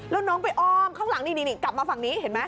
แล้วน้องไปอ้อมข้างหลังนี่กลับมาฝั่งนี้เห็นไหม